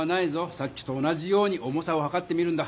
さっきと同じように重さをはかってみるんだ。